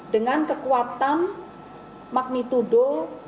dengan kekuatan magnitudo enam